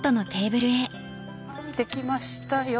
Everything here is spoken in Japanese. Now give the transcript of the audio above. できましたよ。